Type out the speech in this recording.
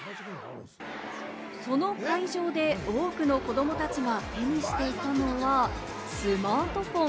その会場で多くの子供たちが手にしていたのはスマートフォン。